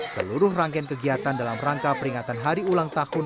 seluruh rangkaian kegiatan dalam rangka peringatan hari ulang tahun